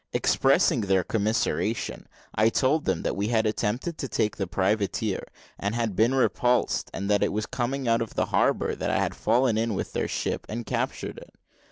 Expressing their commiseration, I told them we had attempted to take the privateer and had been repulsed, and that it was coming out of the harbour that I had fallen in with their ship and captured it.